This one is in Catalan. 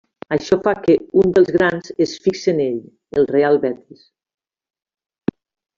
Això fa que un dels grans es fixe en ell, el Real Betis.